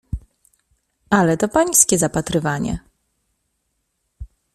"Ale to pańskie zapatrywanie."